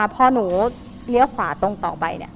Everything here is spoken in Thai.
พอหนูเลี้ยวขวาตรงต่อไปเนี่ย